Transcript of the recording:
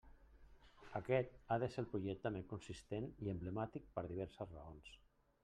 Aquest ha de ser el projecte més consistent i emblemàtic per diverses raons.